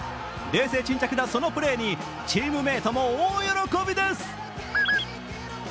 冷静沈着なそのプレーにチームメートも大喜びです。